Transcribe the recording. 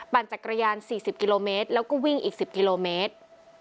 ปันจักรยานสี่สิบกิโลเมตรแล้วก็วิ่งอีกสิบกิโลเมตร